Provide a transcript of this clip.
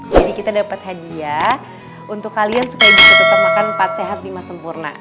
jadi kita dapat hadiah untuk kalian suka disitu tetap makan empat sehat lima sempurna